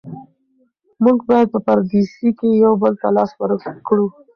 موږ باید په پردیسۍ کې یو بل ته لاس ورکړو.